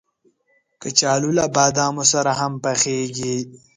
کچالو له بادامو سره هم پخېږي